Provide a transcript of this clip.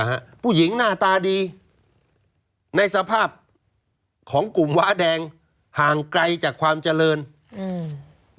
ผู้หญิงหน้าตาดีในสภาพของกลุ่มว้าแดงห่างไกลจากความเจริญอืม